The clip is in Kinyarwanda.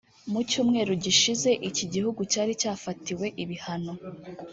Mu cyumweru gishize iki gihugu cyari cyafatiwe ibihano